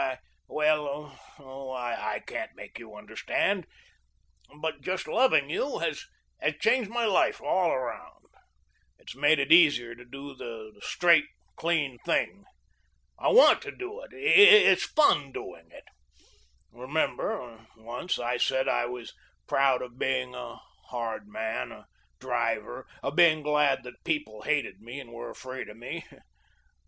I well oh, I can't make you understand, but just loving you has changed my life all around. It's made it easier to do the straight, clean thing. I want to do it, it's fun doing it. Remember, once I said I was proud of being a hard man, a driver, of being glad that people hated me and were afraid of me?